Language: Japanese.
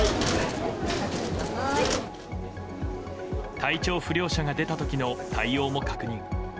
体調不良者が出た時の対応も確認。